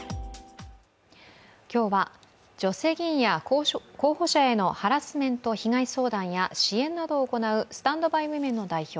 今日は女性議員や候補者へのハラスメント被害相談や支援などを行うＳｔａｎｄｂｙＷｏｍｅｎの代表